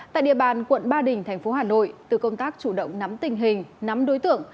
tại địa bàn quận ba đình thành phố hà nội từ công tác chủ động nắm tình hình nắm đối tượng